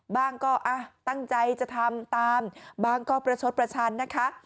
บ้างก็ตั้งใจจะทำตามบางก็ประชดประชันนะคะ